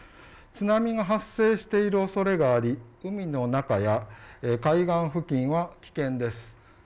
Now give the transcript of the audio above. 津波が発生しているおそれがあり、海の中や海岸付近は危険です。